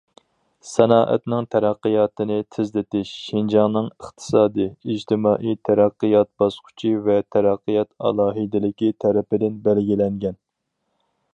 سانائەتنىڭ تەرەققىياتىنى تېزلىتىش شىنجاڭنىڭ ئىقتىسادىي، ئىجتىمائىي تەرەققىيات باسقۇچى ۋە تەرەققىيات ئالاھىدىلىكى تەرىپىدىن بەلگىلەنگەن.